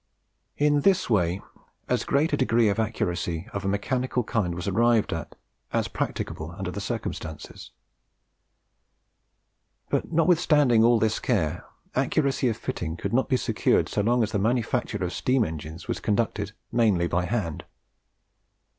In this way as great a degree of accuracy of a mechanical kind was arrived at was practicable under the circumstances. But notwithstanding all this care, accuracy of fitting could not be secured so long as the manufacture of steam engines was conducted mainly by hand.